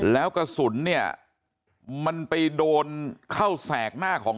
แล้วกระสุนเนี่ยมันไปโดนเข้าแสกหน้าของ